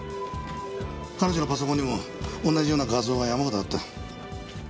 彼女のパソコンにも同じような画像が山ほどあった。